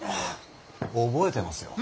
覚えてますよ。